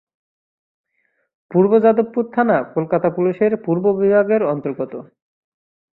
পূর্ব যাদবপুর থানা কলকাতা পুলিশের পূর্ব বিভাগের অন্তর্গত।